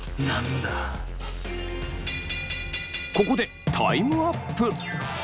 ここでタイムアップ！